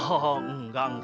oh enggak enggak